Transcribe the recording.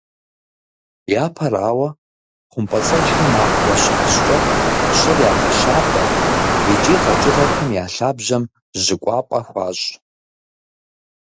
Япэрауэ, хъумпӏэцӏэджхэм абгъуэ щащӏкӏэ, щӏыр ягъэщабэ, икӏи къэкӏыгъэхэм я лъабжьэм жьы кӏуапӏэ хуащӏ.